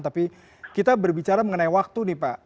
tapi kita berbicara mengenai waktu nih pak